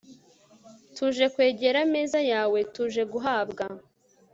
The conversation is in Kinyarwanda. r/ tuje kwegera ameza yawe, tuje guhabwa